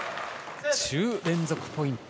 １０連続ポイント。